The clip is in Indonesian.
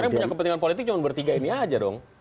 karena yang punya kepentingan politik cuma bertiga ini aja dong